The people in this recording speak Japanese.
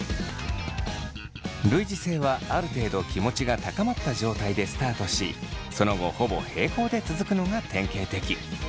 類似性はある程度気持ちが高まった状態でスタートしその後ほぼ平行で続くのが典型的。